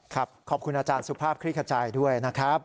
ขอบคุณอาจารย์สุภาพคลิกขจายด้วยนะครับ